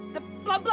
cepet pulang ya